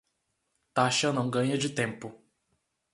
Taxa não ganha de tempo